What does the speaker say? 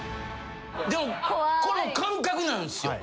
でもこれも感覚なんすよ。